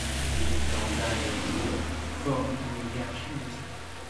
Les différents âges de l'être humain forment une hiérarchie initiatique.